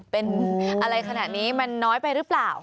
เป็นอะไรขนาดนี้มันน้อยไปหรือเปล่า